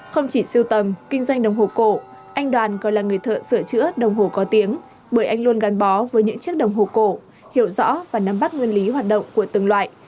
không chỉ siêu tầm kinh doanh đồng hồ cổ anh đoàn còn là người thợ sửa chữa đồng hồ có tiếng bởi anh luôn gắn bó với những chiếc đồng hồ cổ hiểu rõ và nắm bắt nguyên lý hoạt động của từng loại